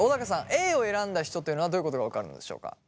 Ａを選んだ人というのはどういうことが分かるんでしょうか？